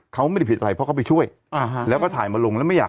เขาไม่ได้ผิดอะไรเพราะเขาไปช่วยอ่าฮะแล้วก็ถ่ายมาลงแล้วไม่อยาก